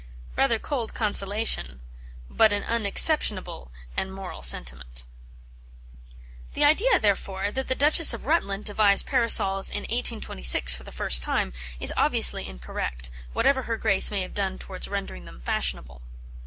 Rather cold consolation, but an unexceptionable and moral sentiment. The idea, therefore, that the Duchess of Rutland devised Parasols in 1826 for the first time is obviously incorrect, whatever her grace may have done towards rendering them fashionable.